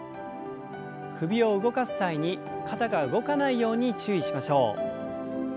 首を動かす際に肩が動かないように注意しましょう。